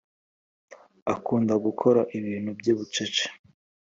Akunda gukora ibintu bye bucece